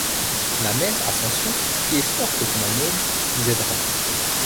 La mère Ascension, qui est forte comme un homme, vous aidera.